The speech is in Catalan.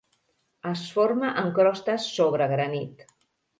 Es forma en crostes sobre granit.